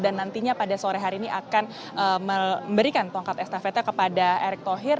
dan nantinya pada sore hari ini akan memberikan tongkat estafetnya kepada erick thohir